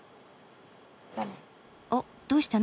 おっどうしたの？